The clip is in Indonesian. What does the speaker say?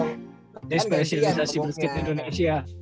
ini spesialisasi basket indonesia